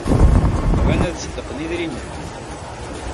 Bɣan ad ṣeddqen idrimen.